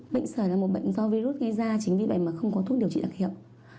bệnh sởi là một bệnh do virus gây ra chính vì vậy mà không có thuốc điều trị đặc hiệu